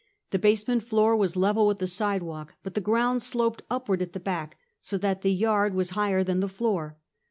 The basement floor was level with the sidewalk, but the ground sloped upward at the back; so that the yard was higher than the floor.